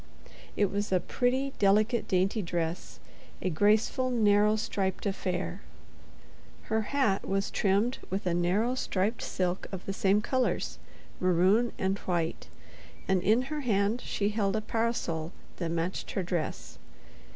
It was a pretty, delicate, dainty dress, a graceful, narrow striped affair. Her hat was trimmed with a narrow striped silk of the same colors—maroon and white—and in her hand she held a parasol that matched her dress.